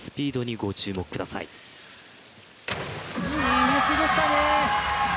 いい入水でしたね。